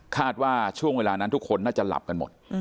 ว่าช่วงเวลานั้นทุกคนน่าจะหลับกันหมด